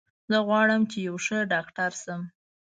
زه غواړم چې یو ښه ډاکټر شم